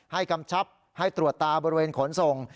กำชับให้ตรวจตาบริเวณขนส่ง